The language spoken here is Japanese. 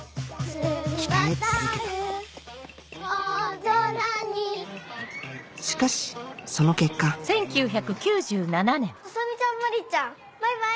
澄み渡る大空にしかしその結果麻美ちゃん真里ちゃんバイバイ。